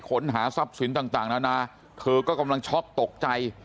ขนหาทรัพย์สินต่างนานาเธอก็กำลังช็อกตกใจ